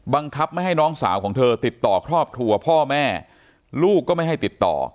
บังคับไม่ให้น้องสาวของเธอติดต่อครอบครัวพ่อแม่ลูกก็ไม่ให้ติดต่อ